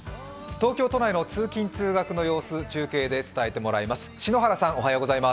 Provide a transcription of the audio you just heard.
東京都内の通勤・通学の様子を中継で伝えてもらいます。